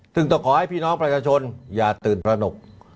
ซึ่งต้องขอให้พี่น้องประชาชนอย่าตื่นตระหนก